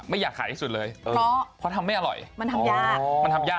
ไม่อยากขายที่สุดเลยเพราะทำไม่อร่อย